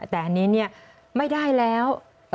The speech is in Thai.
แต่อันนี้ไม่ได้แล้ว